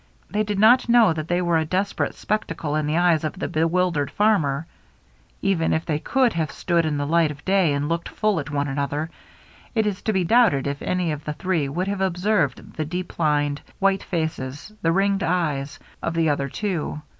They did not know that they were a desperate spectacle in the eyes of the bewildered farmer ; even if they could have stood in the light of day and looked full at one another, it is to be doubted if any of the three would have observed the deep lined^ white faces, the ringed eyes, of the other two.